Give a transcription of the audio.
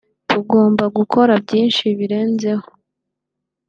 tugomba gukora byinshi birenzeho